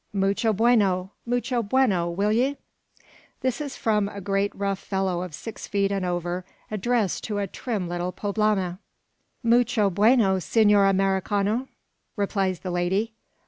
Mucho bueno! Mucho bueno? Will ye?" This is from a great rough fellow of six feet and over, addressed to a trim little poblana. "Mucho bueno, Senor Americano!" replies the lady.